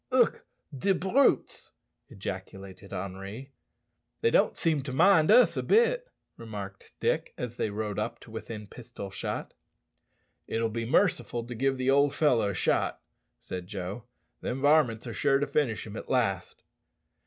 "Ugh! de brutes," ejaculated Henri. "They don't seem to mind us a bit," remarked Dick, as they rode up to within pistol shot. "It'll be merciful to give the old fellow a shot," said Joe. "Them varmints are sure to finish him at last."